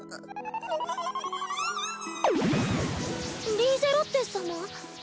リーゼロッテ様？